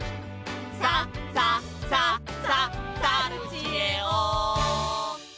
「さ・さ・さ・ささるちえお」